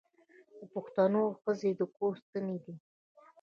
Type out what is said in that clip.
د پښتنو ښځې د کور ستنې دي.